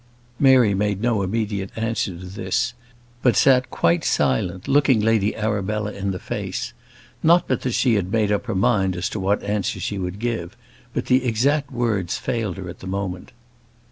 Mary made no immediate answer to this, but sat quite silent, looking Lady Arabella in the face; not but that she had made up her mind as to what answer she would give, but the exact words failed her at the moment.